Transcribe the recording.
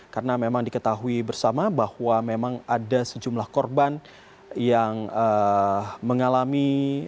karena memang diketahui bersama bahwa memang ada sejumlah korban yang mengalami